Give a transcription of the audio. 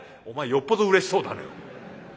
「お前よっぽどうれしそうだね。